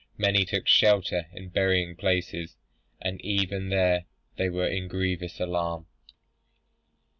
Many took shelter in burying places, and even there they were in grievous alarm."